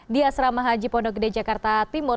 di asrama haji pondok gede jakarta timur